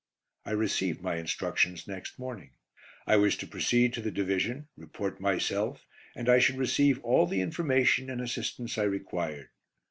I received my instructions next morning. I was to proceed to the Division, report myself, and I should receive all the information and assistance I required.